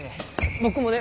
僕もね